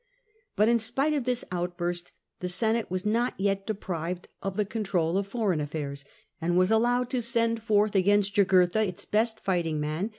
But in spite of this outburst the Senate was not yet deprived of the control of foreign affairs, and was allowed to send forth against Jugurtha its best fighting man, Q.